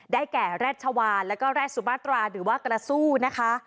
ได้แก่แร็ดชาวาและก็แร็ดสุบาตราหรือว่ากระซุ้นะคะ